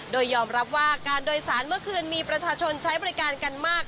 โดยยอมรับว่าการโดยสารเมื่อคืนมีประชาชนใช้บริการกันมาก